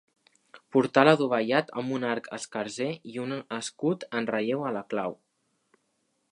Portal adovellat amb un arc escarser i un escut en relleu a la clau.